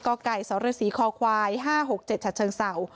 ก่อไก่สาวเรือสีคอควายห้าหกเจ็ดฉัดเชิงเสา